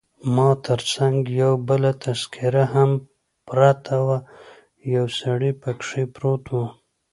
ما تر څنګ یو بله تذکیره هم پرته وه، یو سړی پکښې پروت وو.